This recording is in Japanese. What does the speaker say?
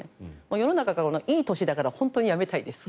世の中がいい年だからは本当にやめたいです。